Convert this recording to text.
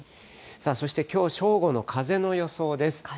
そしてきょう正午の風の予想です。